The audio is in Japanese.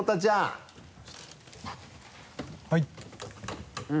はい。